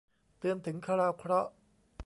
เตือนถึงคราวเคราะห์